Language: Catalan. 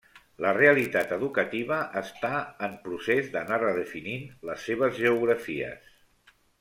La realitat educativa està en procés d’anar redefinint les seves geografies.